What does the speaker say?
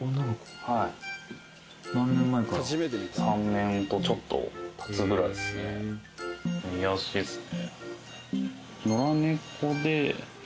３年とちょっとたつぐらいっすね。